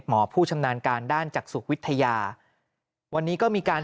ผู้ชำนาญการด้านจักษุวิทยาวันนี้ก็มีการ